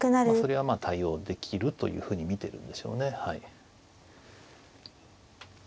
まあそれは対応できるというふうに見てるんでしょうねはい。